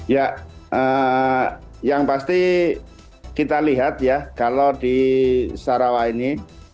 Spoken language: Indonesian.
ya yang pasti kita lihat ya kalau di sarawak ini